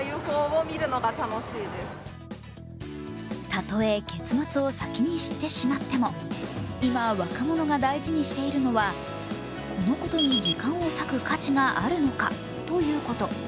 たとえ結末を先に知ってしまっても、今、若者が大事にしているのはこのことに時間を割く価値があるのかということ。